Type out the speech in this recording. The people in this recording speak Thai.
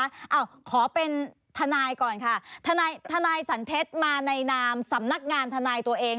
อ้าวขอเป็นทนายก่อนค่ะทนายทนายสันเพชรมาในนามสำนักงานทนายตัวเอง